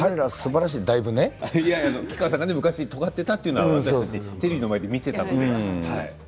吉川さんが昔とがってというのは、私たちテレビで見ていたので。